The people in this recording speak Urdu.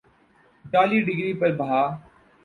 جعلی ڈگری پر بھا